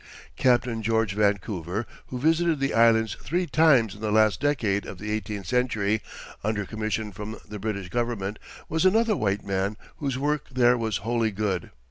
Captain George Vancouver, who visited the Islands three times in the last decade of the eighteenth century under commission from the British Government, was another white man whose work there was wholly good.